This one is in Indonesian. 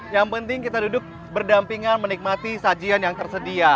yang penting kita duduk berdampingan menikmati sajian yang tersedia